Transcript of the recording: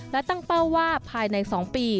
และตั้งเป้าว่าภายใน๒ปี